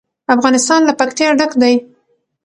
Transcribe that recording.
افغانستان له پکتیا ډک دی.